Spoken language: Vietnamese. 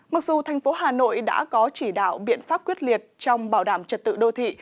mặc dù thành phố hà nội đã có chỉ đạo biện pháp quyết liệt trong bảo đảm trật tự đô thị